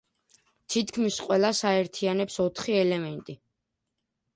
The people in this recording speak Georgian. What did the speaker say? თითქმის ყველას აერთიანებს ოთხი ელემენტი.